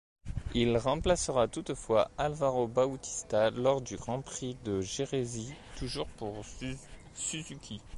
Il remplacera toutefois Alvaro Bautista lors du Grand prix de Jerez, toujours pour Suzuki.